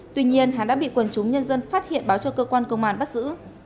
tuy nhiên thắng đã bị quần chú nhân dân phát hiện báo cho cơ quan công an bắt giữ